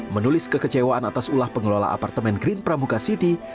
menulis kekecewaan atas ulah pengelola apartemen green pramuka city